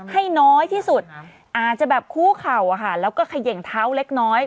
ให้น้อยที่สุดอาจจะแบบคู่เข่าแล้วก็เขย่งเท้าเล็กน้อย